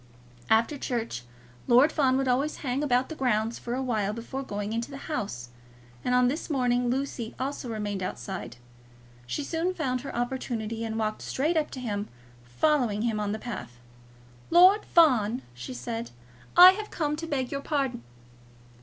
After church, Lord Fawn would always hang about the grounds for awhile before going into the house; and on this morning Lucy also remained outside. She soon found her opportunity, and walked straight up to him, following him on the path. "Lord Fawn," she said, "I have come to beg your pardon."